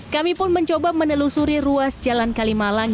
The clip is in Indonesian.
kami pun mencoba menelusuri ruas jalan kalimalang